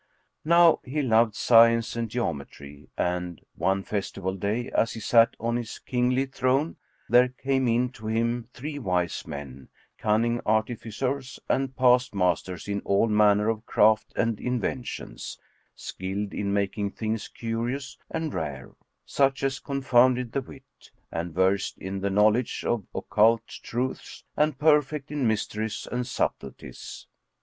Now he loved science and geometry, and one festival day as he sat on his kingly throne there came in to him three wise men, cunning artificers and past masters in all manner of craft and inventions, skilled in making things curious and rare, such as confound the wit; and versed in the knowledge of occult truths and perfect in mysteries and subtleties.